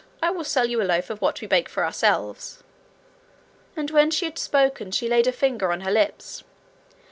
I will sell you a loaf of what we bake for ourselves.' And when she had spoken she laid a finger on her lips.